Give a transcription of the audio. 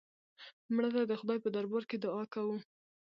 مړه ته د خدای په دربار کې دعا کوو